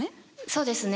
そうですね。